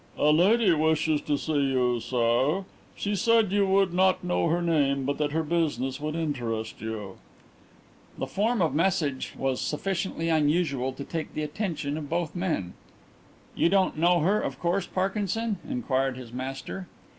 "A lady wishes to see you, sir. She said you would not know her name, but that her business would interest you." The form of message was sufficiently unusual to take the attention of both men. "You don't know her, of course, Parkinson?" inquired his master.